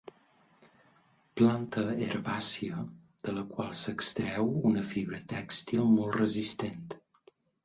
Planta herbàcia de la qual s'extreu una fibra tèxtil molt resistent.